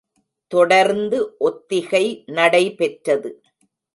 தொடர்ந்து ஒத்திகை நடைபெற்றது.